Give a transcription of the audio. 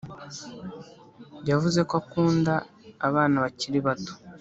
yavuze ko akunda abana bakiri bato